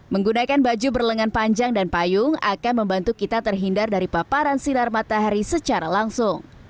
menggunakan baju berlengan panjang dan payung akan membantu kita terhindar dari paparan sinar matahari secara langsung